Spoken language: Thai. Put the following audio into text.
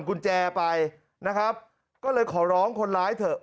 กุญแจไปนะครับก็เลยขอร้องคนร้ายเถอะ